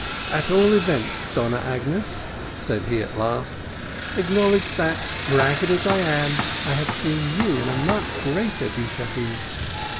"At all events, Donna Agnes," said he at last, "acknowledge that, ragged as I am, I have seen you in a much greater deshabille."